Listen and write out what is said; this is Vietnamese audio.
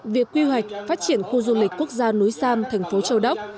việc quy hoạch phát triển khu du lịch quốc gia núi sam thành phố châu đốc